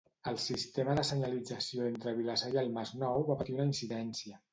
El sistema de senyalització entre Vilassar i el Masnou va patir una incidència.